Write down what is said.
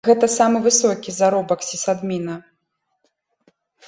Гэта самы высокі заробак сісадміна.